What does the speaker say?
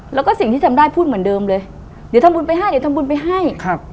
แล้วก็สิ่งที่ทำได้พูดเหมือนเดิมเลยเดี๋ยวทำบุญไปให้เดี๋ยวทำบุญไปให้ครับ